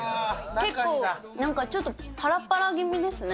結構、なんかちょっとぱらぱら気味ですね。